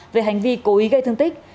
về hành vi cố ý gây thương tích